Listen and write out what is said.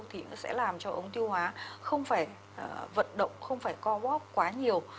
thì nó sẽ làm cho ống tiêu hóa không phải vận động không phải co vóc quá nhiều